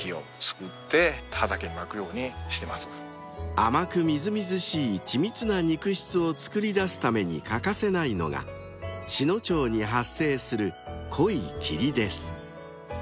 ［甘くみずみずしい緻密な肉質を作り出すために欠かせないのが篠町に発生する濃い霧です］